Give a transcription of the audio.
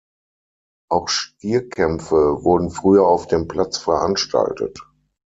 Auch Stierkämpfe wurden früher auf dem Platz veranstaltet.